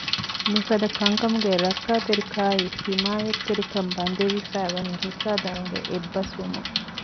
މިފަދަ ކަންކަމުގެ ރައްކާތެރިކާއި ހިމާޔަތްތެރިކަން ބަނދެވިފައި ވަނީ ހިއްސާދާރުންގެ އެއްބަސްވުމުން